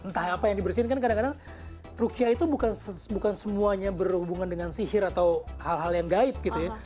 entah apa yang dibersihin kan kadang kadang ruqyah itu bukan semuanya berhubungan dengan sihir atau hal hal yang gaib gitu ya